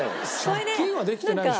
借金はできてないでしょ。